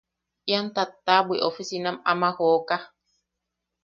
Ian tattabwi oficinam ama jooka.